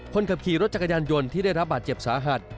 คนขับขี่รถจักรยานยนต์ที่ได้รับบาดเจ็บสาหัส